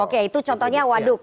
oke itu contohnya waduk